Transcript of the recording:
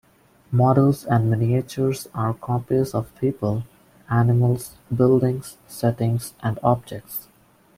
Models and miniatures are copies of people, animals, buildings, settings and objects.